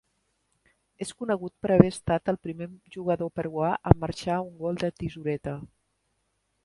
És conegut per haver estat el primer jugador peruà en marxar un gol de tisoreta.